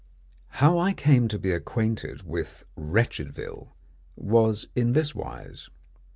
How I came to be acquainted with Wretchedville was in this wise.